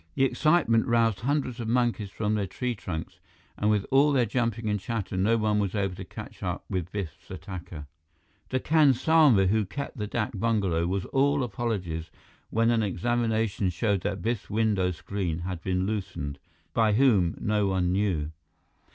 The excitement roused hundreds of monkeys from their tree bunks, and with all their jumping and chatter, no one was able to catch up with Biff's attacker. The khansama who kept the dak bungalow was all apologies when an examination showed that Biff's window screen had been loosened by whom, no one knew.